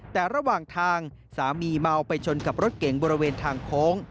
แต่ระหว่างทางสามีเมาไปชนกับรถเก๋งบริเวณทางโค้ง